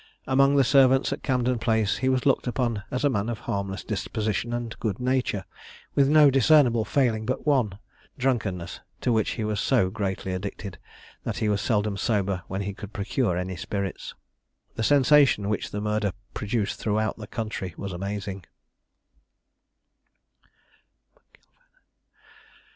Among the servants at Camden Place he was looked upon as a man of harmless disposition and good nature, with no discernible failing but one, drunkenness, to which he was so greatly addicted, that he was seldom sober when he could procure any spirits. The sensation which the murder produced throughout the country was amazing.